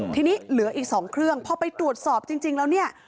ทีนี้เหลืออีก๒เครื่องพอไปตรวจสอบจริงแล้วเนี่ย